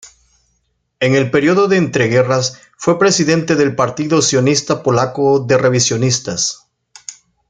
En el período de entreguerras fue presidente del Partido Sionista Polaco de Revisionistas.